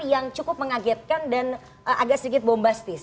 yang cukup mengagetkan dan agak sedikit bombastis